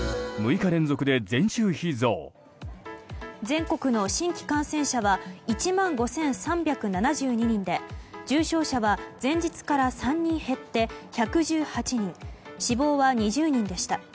全国の新規感染者は１万５３７２人で重症者は前日から３人減って１１８人死亡は２０人でした。